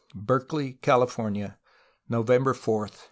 Berkeley, California, November 4, 1921.